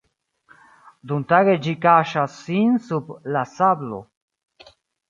Dumtage ĝi kaŝas sin sub la sablo.